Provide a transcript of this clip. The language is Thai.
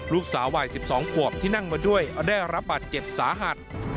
ลูกสาววัย๑๒ขวบที่นั่งมาด้วยได้รับบาดเจ็บสาหัส